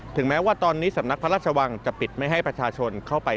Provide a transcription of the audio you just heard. แม้ว่าตอนนี้สำนักพระราชวังจะปิดไม่ให้ประชาชนเข้าไป